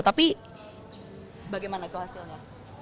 tapi bagaimana itu hasilnya